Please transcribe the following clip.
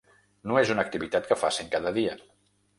No és una activitat que facin cada dia.